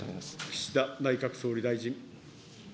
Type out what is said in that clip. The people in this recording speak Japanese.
岸田内閣総理大臣。